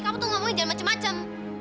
kamu tuh ngomongin jalan macem macem